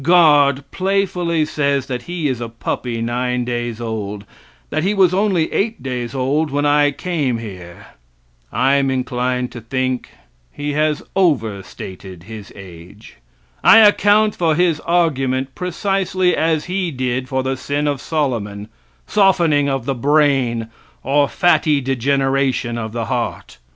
Guard playfully says that he is a puppy nine days old; that he was only eight days old when I came here. I'm inclined to think he has over stated his age. I account for his argument precisely as he did for the sin of Solomon, softening of the brain, or fatty degeneration of the heart.